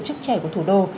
chức trẻ của thủ đô